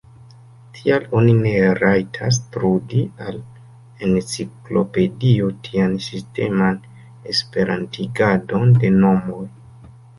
Tial oni ne rajtas trudi al enciklopedio tian sisteman esperantigadon de nomoj.